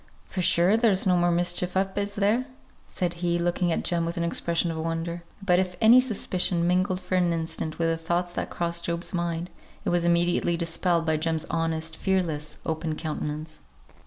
For sure, there's no more mischief up, is there?" said he, looking at Jem with an expression of wonder. But if any suspicion mingled for an instant with the thoughts that crossed Job's mind, it was immediately dispelled by Jem's honest, fearless, open countenance.